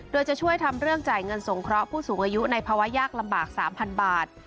โดยจะช่วยทำเรื่องจ่ายเงินสงเคราะห์ผู้สูงอายุในภาวะยากลำบาก๓๐๐บาท